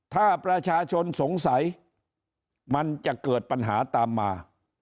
ถ้าประชาชนสงสัยมันจะเกิดปัญหาตามมา